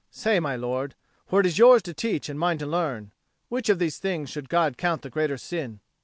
Say, my lord for it is yours to teach and mine to learn which of these things should God count the greater sin?